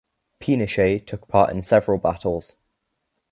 Pinochet took part in several battles.